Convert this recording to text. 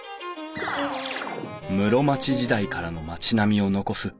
室町時代からの町並みを残す大殿